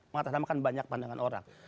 mengatasnamakan banyak pandangan orang